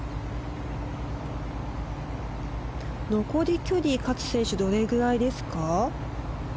残り距離勝選手、どれくらいですか。